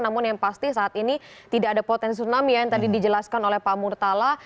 namun yang pasti saat ini tidak ada potensi tsunami yang tadi dijelaskan oleh pak murtala